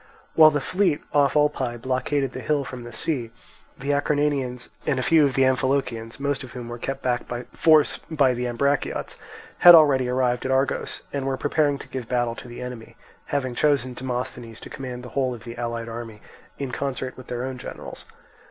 While the fleet off Olpae blockaded the hill from the sea, the Acarnanians and a few of the Amphilochians, most of whom were kept back by force by the Ambraciots, had already arrived at Argos, and were preparing to give battle to the enemy, having chosen Demosthenes to command the whole of the allied army in concert with their own generals.